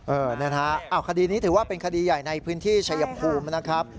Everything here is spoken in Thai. เออนะฮะคดีนี้ถือว่าเป็นคดีใหญ่ในพื้นที่ชายภูมินะครับ